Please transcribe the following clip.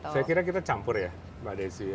saya kira kita campur ya mbak desi